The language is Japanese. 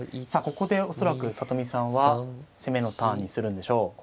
さあここで恐らく里見さんは攻めのターンにするんでしょう。